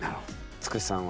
つくしさんは？